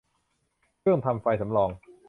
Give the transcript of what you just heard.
เครื่องทำไฟสำรอง